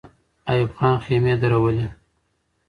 ایوب خان خېمې درولې.